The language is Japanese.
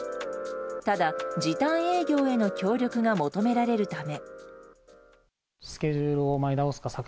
ただ、時短営業への協力が求められるため。